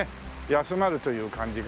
休まるという感じがね。